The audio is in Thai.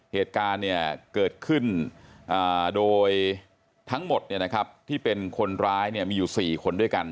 เหตุการณ์เกิดขึ้นโดยทั้งหมดที่เป็นคนร้ายมีอยู่๔คนด้วยกัน